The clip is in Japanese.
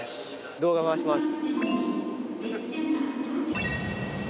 動画回します。